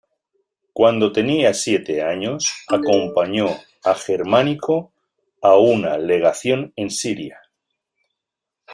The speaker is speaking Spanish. Cuando tenía siete años acompañó a Germánico a una legación en Siria.